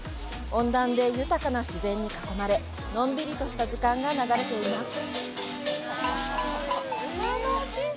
温暖で豊かな自然に囲まれのんびりとした時間が流れています。